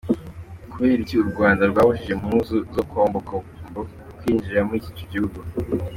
Kubera iki Urwanda rwabujije impuzu za kombokombo kwinjira muri ico gihugu?.